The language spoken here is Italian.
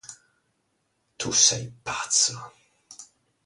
Tu sei pazzo.